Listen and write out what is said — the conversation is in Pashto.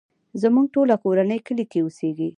زموږ ټوله کورنۍ کلی کې اوسيږې.